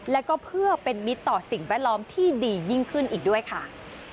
แล้วก็เพื่อเป็นมิตรต่อสิ่งแวดล้อมที่ดียิ่งขึ้นอีกด้วยค่ะ